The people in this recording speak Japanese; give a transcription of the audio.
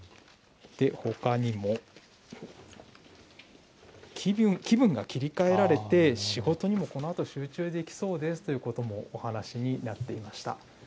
ほかにも、気分が切り替えられて、仕事にもこのあと集中できそうですということもお話になっていました。